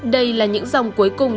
đây là những dòng cuối cùng